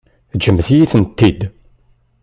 Ǧǧemt-iyi-tent-id.